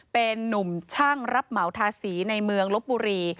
เป็นนุ่มช่างรับเหมาทาสีในเมืองลบบุรี